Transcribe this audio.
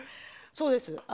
そうです。